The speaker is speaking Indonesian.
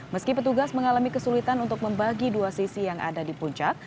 meski petugas mengalami kesulitan untuk membagi dua sisi yang ada di puncak